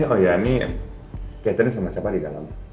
oh iya ini catherine sama siapa di dalam